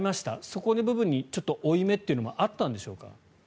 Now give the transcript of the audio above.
そこの部分に負い目という部分もあったんでしょうか。